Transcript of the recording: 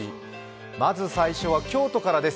まず最初は京都からです